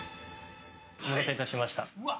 お待たせいたしました。